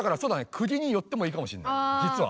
クギに寄ってもいいかもしんないじつは。